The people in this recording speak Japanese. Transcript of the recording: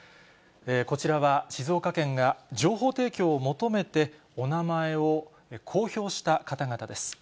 こちらは静岡県が情報提供を求めて、お名前を公表した方々です。